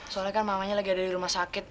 soalnya kan mamanya lagi ada di rumah sakit